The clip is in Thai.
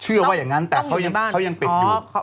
เชื่อว่าอย่างนั้นแต่เค้ายังเป็นอยู่